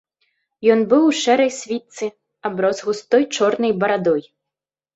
Ён быў у шэрай світцы, аброс густой чорнай барадой.